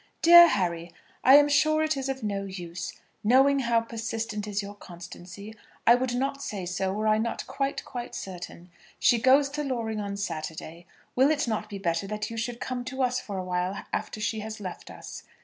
DEAR HARRY, I am sure it is of no use. Knowing how persistent is your constancy, I would not say so were I not quite, quite certain. She goes to Loring on Saturday. Will it not be better that you should come to us for awhile after she has left us.